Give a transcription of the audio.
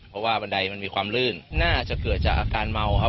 เพราะว่าบันไดมันมีความลื่นน่าจะเกิดจากอาการเมาครับ